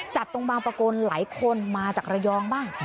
ตรงบางประกลหลายคนมาจากระยองบ้าง